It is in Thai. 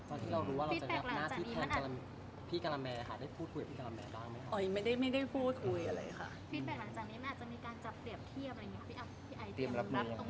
ตอนที่เรารู้ว่า